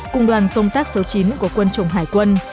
cùng đoàn công tác số chín của quân chủng hải quân